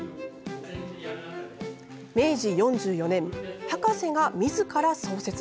明治４４年、博士がみずから創設。